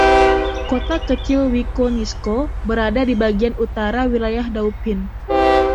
Kota Kecil Wiconisco berada di bagian utara Wilayah Dauphin.